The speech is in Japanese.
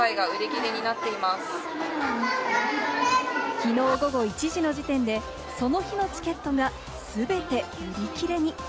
きのう午後１時の時点で、その日のチケットが全て売り切れに。